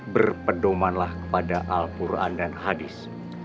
berpedomanlah kepada al quran dan hadis